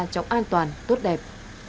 trong an toàn tốt đẹp